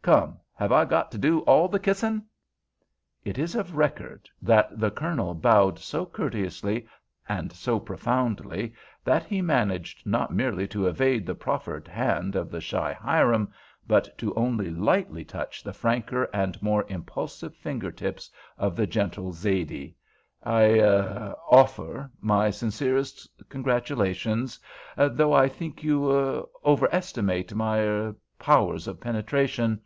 Come, have I got to do all the kissin'!" It is of record that the Colonel bowed so courteously and so profoundly that he managed not merely to evade the proffered hand of the shy Hiram, but to only lightly touch the franker and more impulsive fingertips of the gentle Zaidee. "I—er—offer my sincerest congratulations—though I think you—er—overestimate—my—er—powers of penetration.